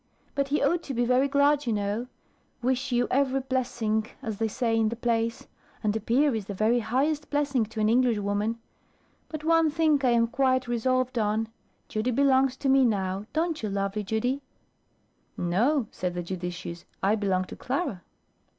But he ought to be very glad you know wish you every blessing, as they say in the plays; and a peer is the very highest blessing to an Englishwoman. But one thing I am quite resolved on: Judy belongs to me now, don't you, lovely Judy?" "No," said the judicious, "I belong to Clara."